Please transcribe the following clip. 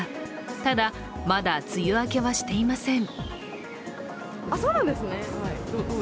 ただ、まだ梅雨明けはしていません。